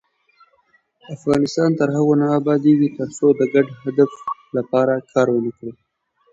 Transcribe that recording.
افغانستان تر هغو نه ابادیږي، ترڅو د ګډ هدف لپاره کار ونکړو.